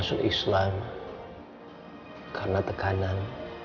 masuk islam karena tekanan